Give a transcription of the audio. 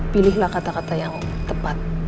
pilihlah kata kata yang tepat